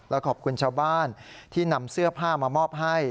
และขอบคุณชาวบ้านที่นำเสื้อผ้ามามอบให้